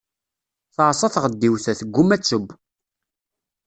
Teɛṣa tɣeddiwt-a, tgumma ad teww.